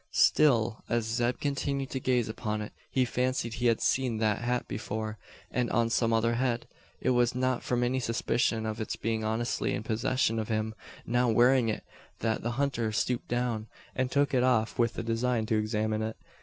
Still, as Zeb continued to gaze upon it, he fancied he had seen that hat before, and on some other head. It was not from any suspicion of its being honestly in possession of him now wearing it that the hunter stooped down, and took it off with the design to examine it.